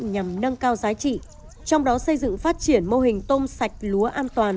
nhằm nâng cao giá trị trong đó xây dựng phát triển mô hình tôm sạch lúa an toàn